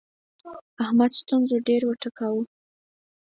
احمد ستونزو ډېر وټکاوو.